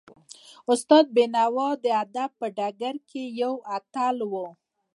استاد بینوا د ادب په ډګر کې یو اتل و.